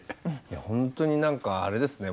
ほんとに何かあれですね